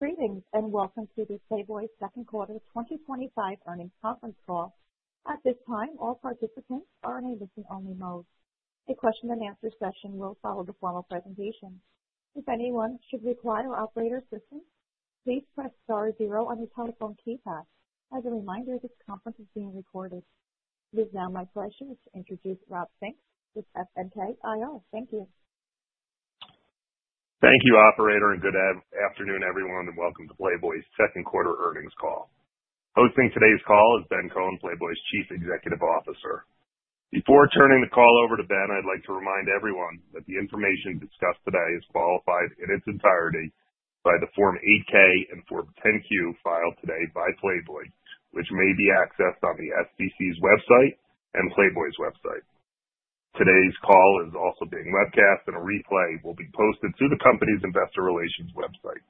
Greetings and welcome to the Playboy Second Quarter 2025 Earnings Conference Call. At this time, all participants are in a listening-only mode. A question and answer session will follow the formal presentation. If anyone should require operator assistance, please press star zero on your telephone keypad. As a reminder, this conference is being recorded. It is now my pleasure to introduce Rob Fink, FNK IR. Thank you. Thank you, Operator, and good afternoon, everyone, and welcome to Playboy's Second Quarter Earnings Call. Hosting today's call is Ben Kohn, Playboy's Chief Executive Officer. Before turning the call over to Ben, I'd like to remind everyone that the information discussed today is qualified in its entirety by the Form 8-K and Form 10-Q filed today by Playboy, which may be accessed on the SEC's website and Playboy's website. Today's call is also being webcast, and a replay will be posted to the company's Investor Relations website.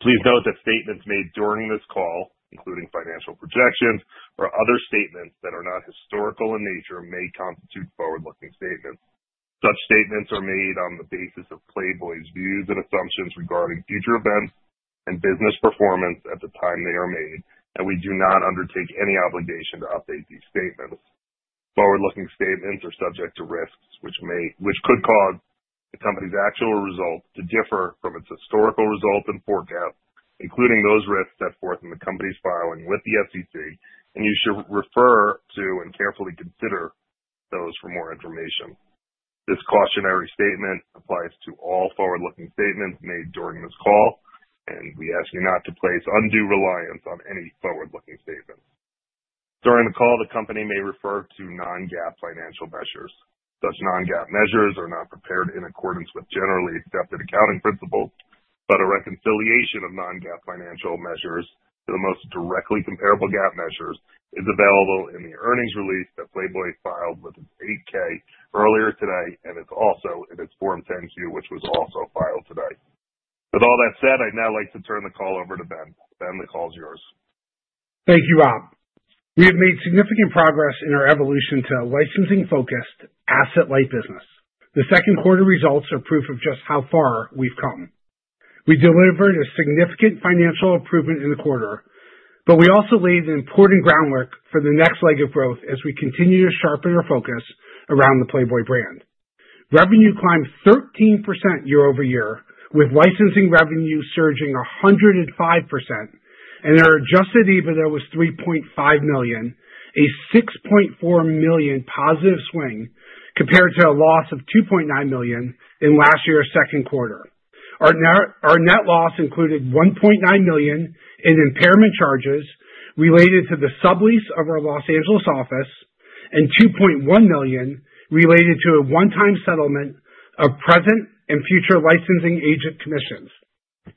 Please note that statements made during this call, including financial projections or other statements that are not historical in nature, may constitute forward-looking statements. Such statements are made on the basis of Playboy's views and assumptions regarding future events and business performance at the time they are made, and we do not undertake any obligation to update these statements. Forward-looking statements are subject to risks, which could cause the company's actual result to differ from its historical result and forecast, including those risks that are set forth in the company's filing with the SEC, and you should refer to and carefully consider those for more information. This cautionary statement applies to all forward-looking statements made during this call, and we ask you not to place undue reliance on any forward-looking statement. During the call, the company may refer to non-GAAP financial measures. Such non-GAAP measures are not prepared in accordance with generally accepted accounting principles, but a reconciliation of non-GAAP financial measures to the most directly comparable GAAP measures is available in the earnings release that Playboy filed with its 8-K earlier today, and it's also in its Form 10-Q, which was also filed today. With all that said, I'd now like to turn the call over to Ben. Ben, the call is yours. Thank you, Rob. We have made significant progress in our evolution to a licensing-focused, asset-light business. The second quarter results are proof of just how far we've come. We delivered a significant financial improvement in the quarter, and we also laid an important groundwork for the next leg of growth as we continue to sharpen our focus around the Playboy brand. Revenue climbed 13% year-over-year, with licensing revenue surging 105%, and our adjusted EBITDA was $3.5 million, a $6.4 million positive swing compared to a loss of $2.9 million in last year's second quarter. Our net loss included $1.9 million in impairment charges related to the sublease of our Los Angeles office and $2.1 million related to a one-time settlement of present and future licensing agent commissions.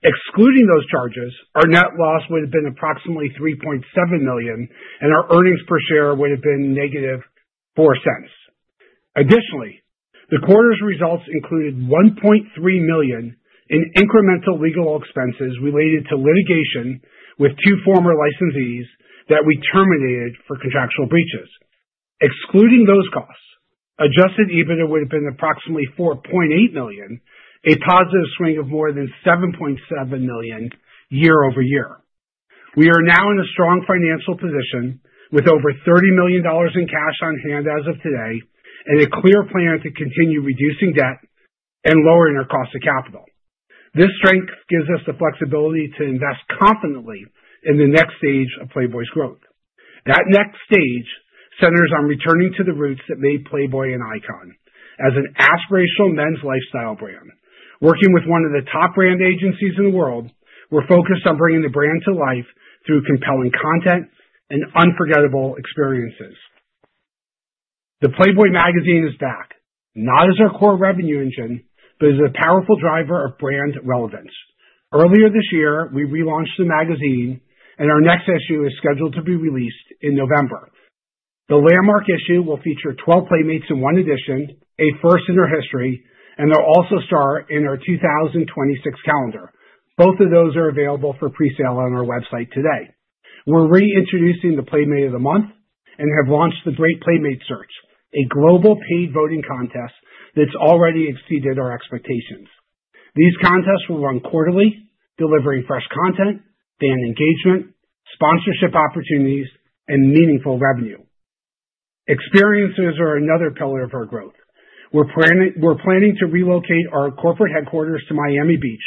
Excluding those charges, our net loss would have been approximately $3.7 million, and our earnings per share would have been -$0.04. Additionally, the quarter's results included $1.3 million in incremental legal expenses related to litigation with two former licensees that we terminated for contractual breaches. Excluding those costs, adjusted EBITDA would have been approximately $4.8 million, a positive swing of more than $7.7 million year-over-year. We are now in a strong financial position with over $30 million in cash on hand as of today and a clear plan to continue reducing debt and lowering our cost of capital. This strength gives us the flexibility to invest confidently in the next stage of Playboy's growth. That next stage centers on returning to the roots that made Playboy an icon as an aspirational men's lifestyle brand. Working with one of the top brand agencies in the world, we're focused on bringing the brand to life through compelling content and unforgettable experiences. The Playboy magazine is back, not as our core revenue engine, but as a powerful driver of brand relevance. Earlier this year, we relaunched the magazine, and our next issue is scheduled to be released in November. The landmark issue will feature 12 Playmates in one edition, a first in our history, and they'll also star in our 2026 calendar. Both of those are available for pre-sale on our website today. We're reintroducing the Playmate of the Month and have launched The Great Playmate Search, a global paid voting contest that's already exceeded our expectations. These contests will run quarterly, delivering fresh content, fan engagement, sponsorship opportunities, and meaningful revenue. Experiences are another pillar of our growth. We're planning to relocate our corporate headquarters to Miami Beach,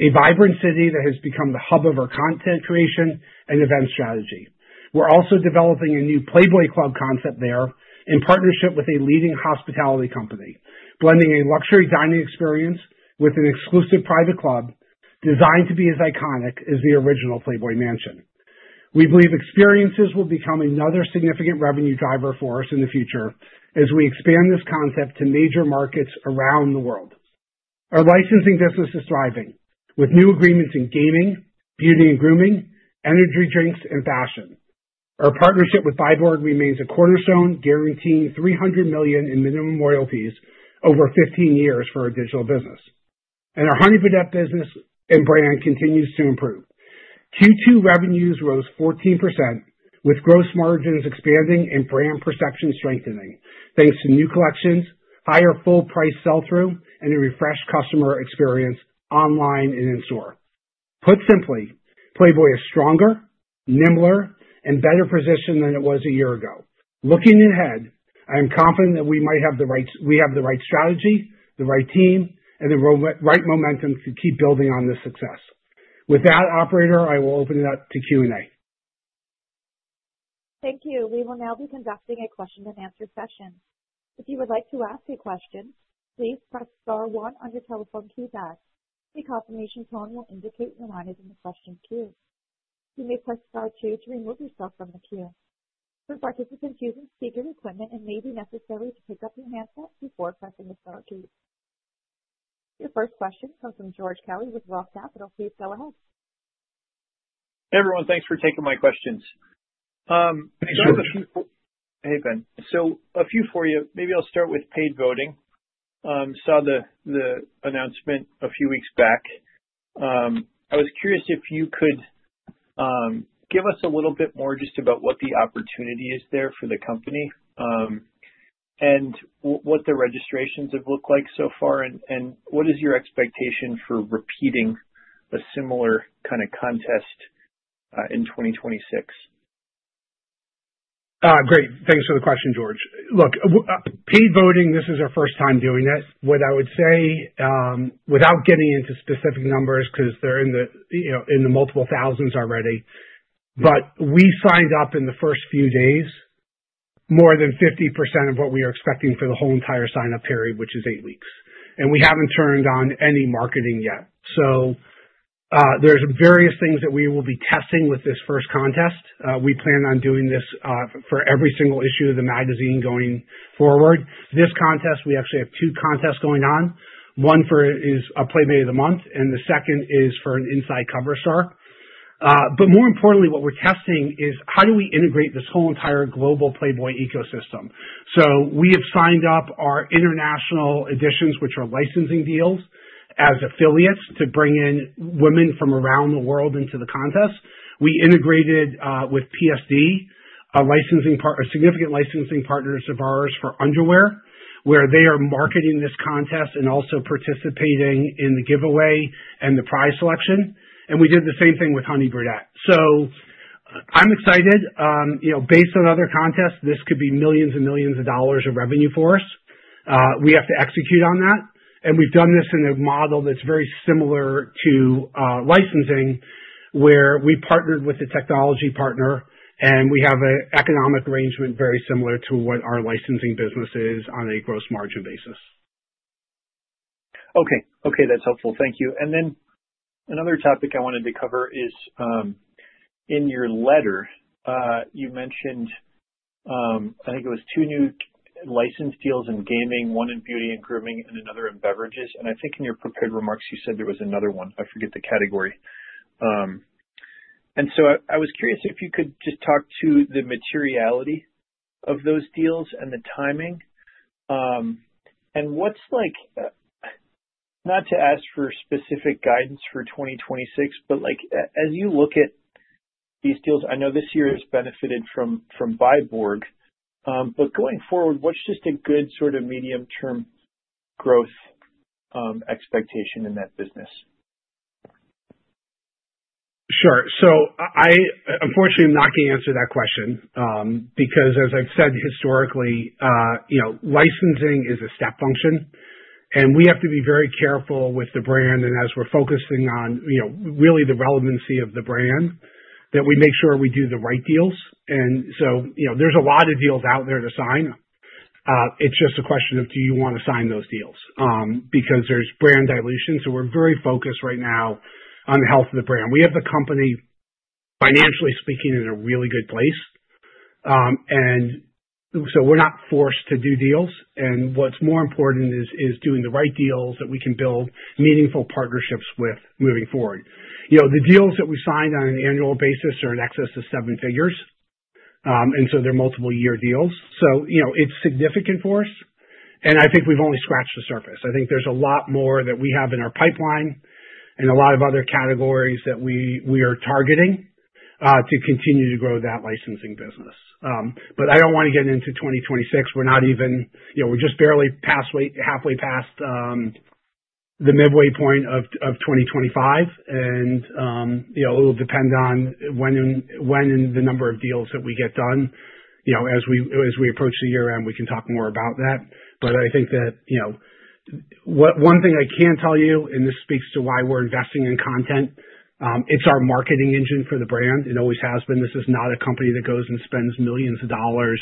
a vibrant city that has become the hub of our content creation and event strategy. We're also developing a new Playboy Club concept there in partnership with a leading hospitality company, blending a luxury dining experience with an exclusive private club designed to be as iconic as the original Playboy Mansion. We believe experiences will become another significant revenue driver for us in the future as we expand this concept to major markets around the world. Our licensing business is thriving with new agreements in gaming, beauty and grooming, energy drinks, and fashion. Our partnership with Byborg remains a cornerstone, guaranteeing $300 million in minimum royalties over 15 years for our digital business. Our Honey Birdette business and brand continues to improve. Q2 revenues rose 14%, with gross margins expanding and brand perception strengthening thanks to new collections, higher full-price sell-through, and a refreshed customer experience online and in store. Put simply, Playboy is stronger, nimbler, and better positioned than it was a year ago. Looking ahead, I am confident that we have the right strategy, the right team, and the right momentum to keep building on this success. With that, Operator, I will open it up to Q&A. Thank you. We will now be conducting a question and answer session. If you would like to ask a question, please press star one on your telephone keypad. The confirmation tone will indicate you're monitoring the question queue. You may press star two to remove yourself from the queue. For participants using speaker equipment, it may be necessary to pick up your handset before pressing the star key. Your first question comes from George Kelly with Roth Capital. Please go ahead. Hey, everyone. Thanks for taking my questions. I just have a few. Hey, Ben. A few for you. Maybe I'll start with paid playmate voting. I saw the announcement a few weeks back. I was curious if you could give us a little bit more just about what the opportunity is there for the company, what the registrations have looked like so far, and what is your expectation for repeating a similar kind of contest in 2026? Great. Thanks for the question, George. Look, paid voting, this is our first time doing it. What I would say, without getting into specific numbers because they're in the, you know, in the multiple thousands already, but we signed up in the first few days, more than 50% of what we are expecting for the whole entire sign-up period, which is eight weeks. We haven't turned on any marketing yet. There are various things that we will be testing with this first contest. We plan on doing this for every single issue of the magazine going forward. This contest, we actually have two contests going on. One is for a Playmate of the Month, and the second is for an Inside Cover star. More importantly, what we're testing is how do we integrate this whole entire global Playboy ecosystem. We have signed up our international editions, which are licensing deals, as affiliates to bring in women from around the world into the contest. We integrated, with PSD, a licensing partner, a significant licensing partner of ours for underwear, where they are marketing this contest and also participating in the giveaway and the prize selection. We did the same thing with Honey Birdette. I'm excited. You know, based on other contests, this could be millions and millions of dollars of revenue for us. We have to execute on that. We've done this in a model that's very similar to licensing, where we partnered with a technology partner, and we have an economic arrangement very similar to what our licensing business is on a gross margin basis. Okay. Okay. That's helpful. Thank you. Another topic I wanted to cover is, in your letter, you mentioned, I think it was two new license deals in gaming, one in beauty and grooming, and another in beverages. I think in your prepared remarks, you said there was another one. I forget the category. I was curious if you could just talk to the materiality of those deals and the timing. What's like, not to ask for specific guidance for 2026, but as you look at these deals, I know this year has benefited from Byborg. Going forward, what's just a good sort of medium-term growth expectation in that business? Sure. Unfortunately, I'm not going to answer that question, because as I've said historically, licensing is a step function. We have to be very careful with the brand. As we're focusing on really the relevancy of the brand, we make sure we do the right deals. There are a lot of deals out there to sign. It's just a question of do you want to sign those deals, because there's brand dilution. We are very focused right now on the health of the brand. We have the company, financially speaking, in a really good place, and we're not forced to do deals. What's more important is doing the right deals that we can build meaningful partnerships with moving forward. The deals that we signed on an annual basis are in excess of $1 million, and they're multi-year deals. It's significant for us. I think we've only scratched the surface. There's a lot more that we have in our pipeline and a lot of other categories that we are targeting to continue to grow that licensing business. I don't want to get into 2026. We're just barely halfway past the midway point of 2025, and it'll depend on when and the number of deals that we get done. As we approach the year-end, we can talk more about that. One thing I can tell you, and this speaks to why we're investing in content, it's our marketing engine for the brand. It always has been. This is not a company that goes and spends millions of dollars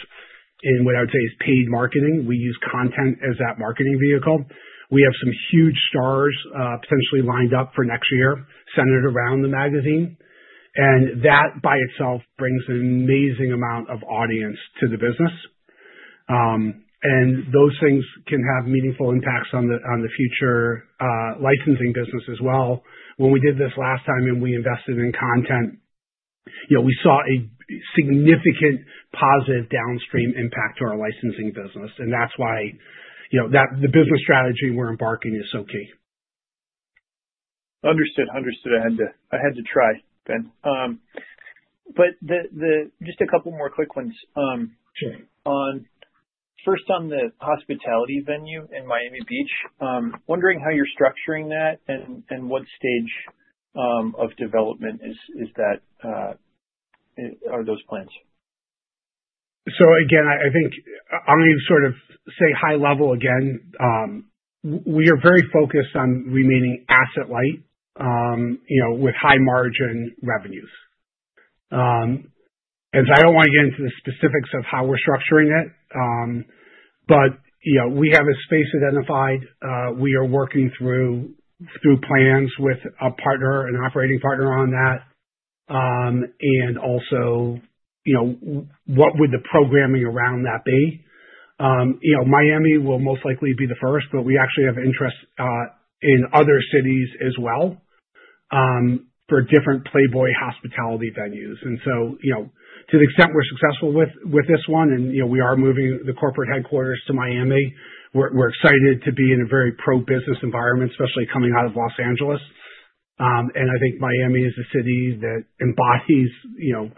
in what I would say is paid marketing. We use content as that marketing vehicle. We have some huge stars potentially lined up for next year, centered around the magazine, and that by itself brings an amazing amount of audience to the business. Those things can have meaningful impacts on the future licensing business as well. When we did this last time and we invested in content, we saw a significant positive downstream impact to our licensing business. That's why the business strategy we're embarking on is so key. Understood. I had to try, Ben. Just a couple more quick ones. On the hospitality venue in Miami Beach, wondering how you're structuring that and what stage of development those plans are? I think I'm going to sort of say high level again. We are very focused on remaining asset-light, you know, with high margin revenues. I don't want to get into the specifics of how we're structuring it, but, you know, we have a space identified. We are working through plans with a partner, an operating partner on that, and also, you know, what would the programming around that be. Miami will most likely be the first, but we actually have interest in other cities as well for different Playboy hospitality venues. To the extent we're successful with this one, and you know, we are moving the corporate headquarters to Miami. We're excited to be in a very pro-business environment, especially coming out of Los Angeles. I think Miami is a city that embodies, you know,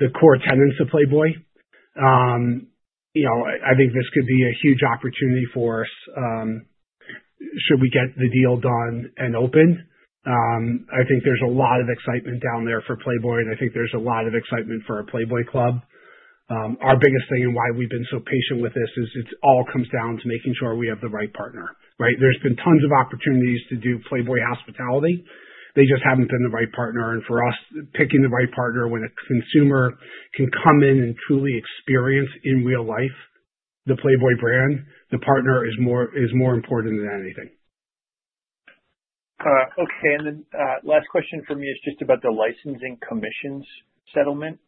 the core tenets of Playboy. I think this could be a huge opportunity for us, should we get the deal done and open. I think there's a lot of excitement down there for Playboy, and I think there's a lot of excitement for our Playboy Club. Our biggest thing and why we've been so patient with this is it all comes down to making sure we have the right partner, right? There's been tons of opportunities to do Playboy hospitality. They just haven't been the right partner. For us, picking the right partner when a consumer can come in and truly experience in real life the Playboy brand, the partner is more important than anything. Okay. Last question from you is just about the licensing agent commissions settlement,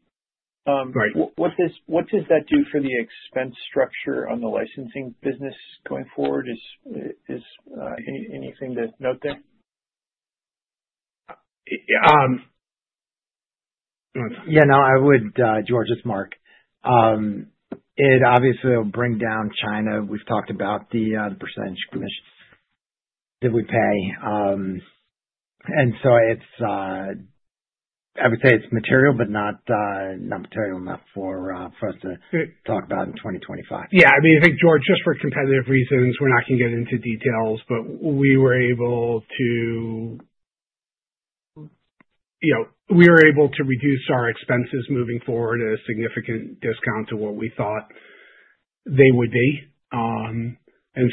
right. What does that do for the expense structure on the licensing business going forward? Is anything to note there? Yeah. No, I would, George, it's Marc. It obviously will bring down China. We've talked about the percent commissions that we pay, and so it's, I would say it's material, but not material enough for us to talk about in 2025. Yeah. I mean, I think, George, just for competitive reasons, we're not going to get into details, but we were able to reduce our expenses moving forward at a significant discount to what we thought they would be.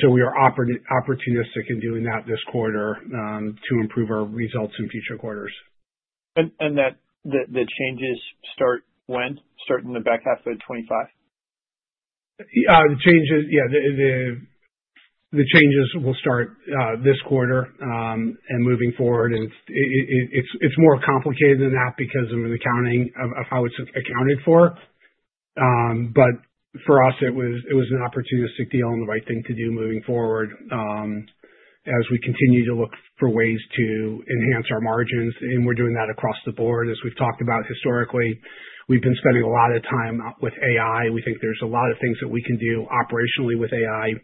We are opportunistic in doing that this quarter to improve our results in future quarters. Do the changes start in the back half of 2025? Yeah. The changes will start this quarter and moving forward. It's more complicated than that because of how it's accounted for, but for us, it was an opportunistic deal and the right thing to do moving forward as we continue to look for ways to enhance our margins. We're doing that across the board. As we've talked about historically, we've been spending a lot of time with AI. We think there's a lot of things that we can do operationally with AI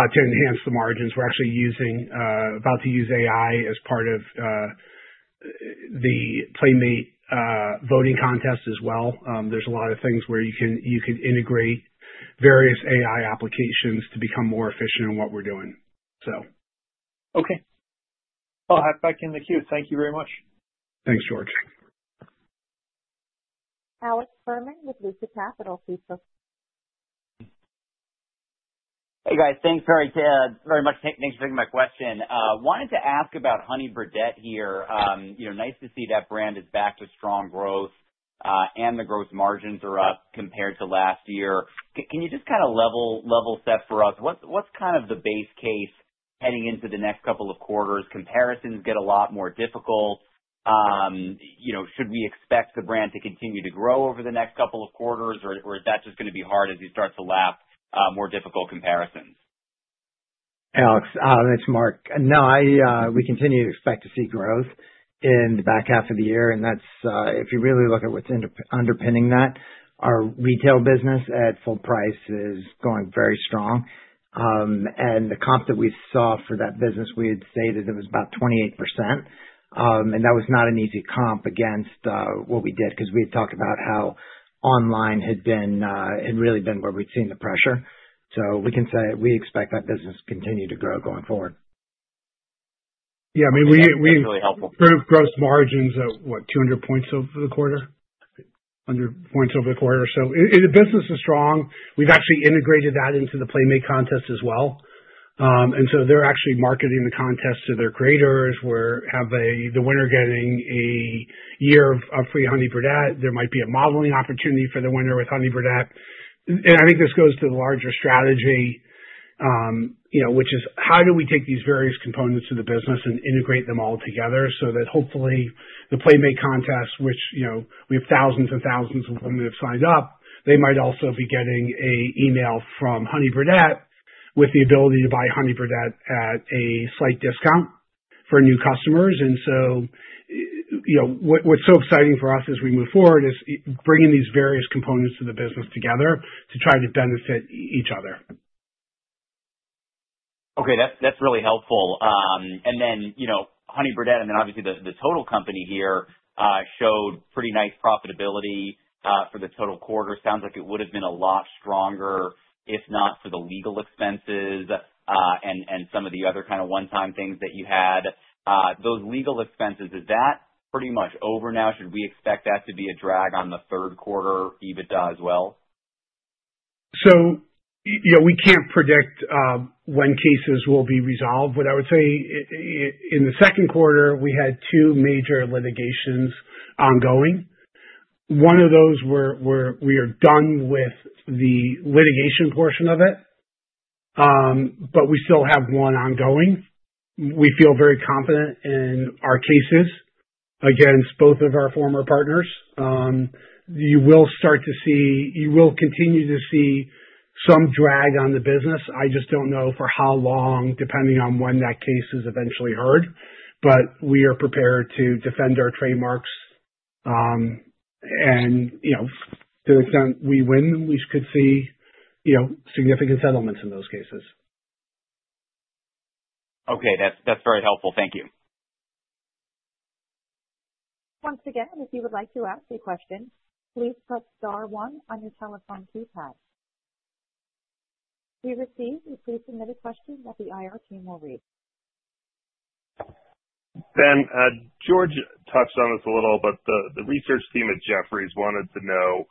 to enhance the margins. We're actually using, about to use, AI as part of the paid Playmate voting contest as well. There's a lot of things where you can integrate various AI applications to become more efficient in what we're doing. Okay, I'll hop back in the queue. Thank you very much. Thanks, George. Alex Furman with Lucid Capital. Please go ahead. Hey, guys. Thanks very much for taking my question. I wanted to ask about Honey Birdette here. You know, nice to see that brand is back with strong growth, and the gross margins are up compared to last year. Can you just kind of level set for us? What's kind of the base case heading into the next couple of quarters? Comparisons get a lot more difficult. You know, should we expect the brand to continue to grow over the next couple of quarters, or is that just going to be hard as you start to lap more difficult comparisons? Alex, that's Mark. No, we continue to expect to see growth in the back half of the year. If you really look at what's underpinning that, our retail business at full price is going very strong, and the comp that we saw for that business, we had stated it was about 28%. That was not an easy comp against what we did because we had talked about how online had been, had really been where we'd seen the pressure. We can say we expect that business to continue to grow going forward. Yeah, I mean, we. That's really helpful. Proved gross margins at, what, 200 points over the quarter, 100 points over the quarter. The business is strong. We've actually integrated that into the Playmate contest as well, and so they're actually marketing the contest to their creators, where the winner is getting a year of free Honey Birdette. There might be a modeling opportunity for the winner with Honey Birdette. I think this goes to the larger strategy, which is how do we take these various components of the business and integrate them all together so that hopefully the Playmate contest, which, you know, we have thousands and thousands of women who have signed up, they might also be getting an email from Honey Birdette with the ability to buy Honey Birdette at a slight discount for new customers. What's so exciting for us as we move forward is bringing these various components of the business together to try to benefit each other. Okay. That's really helpful. And then, you know, Honey Birdette, I mean, obviously, the total company here showed pretty nice profitability for the total quarter. Sounds like it would have been a lot stronger if not for the legal expenses and some of the other kind of one-time things that you had. Those legal expenses, is that pretty much over now? Should we expect that to be a drag on the third quarter if it does well? We can't predict when cases will be resolved. In the second quarter, we had two major litigations ongoing. One of those, we are done with the litigation portion of it, but we still have one ongoing. We feel very confident in our cases against both of our former partners. You will continue to see some drag on the business. I just don't know for how long, depending on when that case is eventually heard. We are prepared to defend our trademarks, and to the extent we win, we could see significant settlements in those cases. Okay. That's very helpful. Thank you. Once again, if you would like to ask a question, please press star one on your telephone keypad. You received a pre-submitted question that the IR team will read. Ben, George touched on this a little, but the research team at Jefferies wanted to know,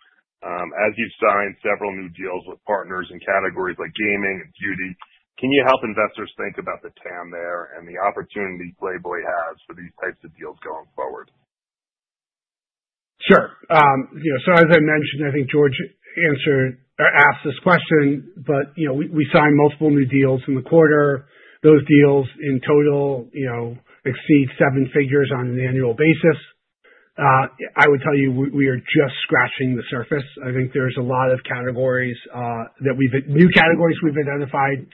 as you've signed several new deals with partners in categories like gaming and beauty, can you help investors think about the TAM there and the opportunity Playboy has for these types of deals going forward? Sure. As I mentioned, I think George asked this question, but we signed multiple new deals in the quarter. Those deals in total exceed $1 million on an annual basis. I would tell you we are just scratching the surface. I think there's a lot of categories that we've identified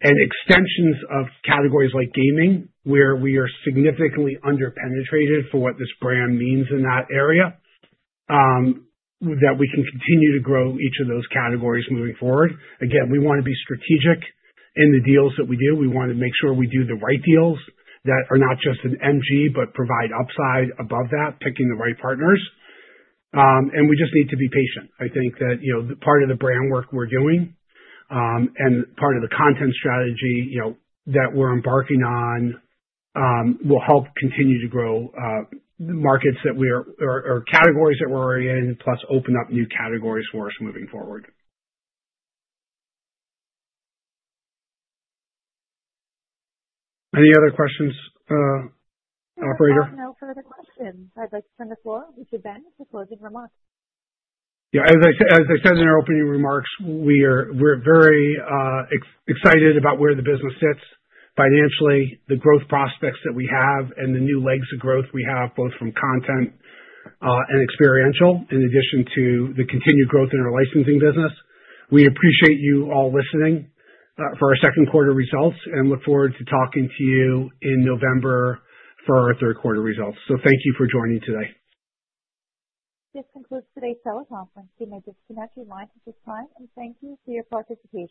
and extensions of categories like gaming, where we are significantly underpenetrated for what this brand means in that area, that we can continue to grow each of those categories moving forward. We want to be strategic in the deals that we do. We want to make sure we do the right deals that are not just an MG, but provide upside above that, picking the right partners. We just need to be patient. I think that the part of the brand work we're doing, and part of the content strategy that we're embarking on, will help continue to grow the markets that we are or categories that we're already in, plus open up new categories for us moving forward. Any other questions, Operator? No further questions. I'd like to turn the floor over to Ben for closing remarks. Yeah. As I said in our opening remarks, we are very excited about where the business sits financially, the growth prospects that we have, and the new legs of growth we have, both from content and experiential, in addition to the continued growth in our licensing business. We appreciate you all listening for our second quarter results and look forward to talking to you in November for our third quarter results. Thank you for joining today. This concludes today's teleconference. We may disconnect your line at this time, and thank you for your participation.